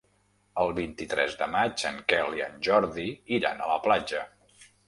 El vint-i-tres de maig en Quel i en Jordi iran a la platja.